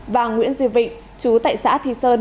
và nguyễn duy vịnh chú tệ xã thi sơn